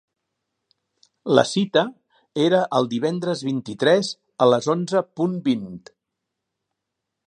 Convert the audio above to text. La cita era el divendres vint-i-tres a les onze punt vint.